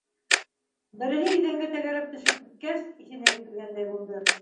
Береһе иҙәнгә тәгәрәп төшөп киткәс, иҫенә килгәндәй булды.